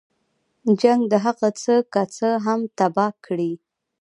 جنګ د هغه څه که څه هم تباه کړي.